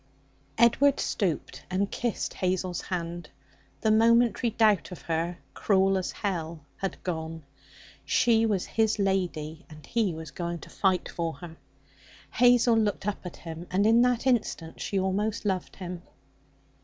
Edward stooped and kissed Hazel's hand. The momentary doubt of her cruel as hell had gone. She was his lady, and he was going to fight for her. Hazel looked up at him, and in that instant she almost loved him.